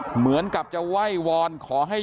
เหมือนกับจะไหว้วอนขอให้